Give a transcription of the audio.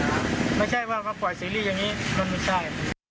ไม่ใช่ว่ามาปล่อยซีรีส์อย่างนี้มันไม่ใช่